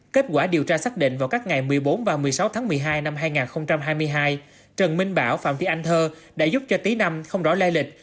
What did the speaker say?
kết quả điều tra xác định vào các ngày một mươi bốn và một mươi sáu tháng một mươi hai năm hai nghìn hai mươi hai trần minh bảo phạm vi anh thơ đã giúp cho tí năm không rõ lai lịch